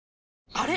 あれ？